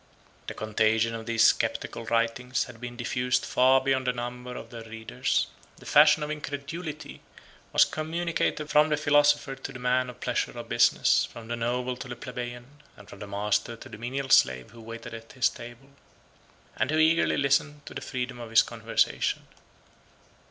The contagion of these sceptical writings had been diffused far beyond the number of their readers. The fashion of incredulity was communicated from the philosopher to the man of pleasure or business, from the noble to the plebeian, and from the master to the menial slave who waited at his table, and who eagerly listened to the freedom of his conversation.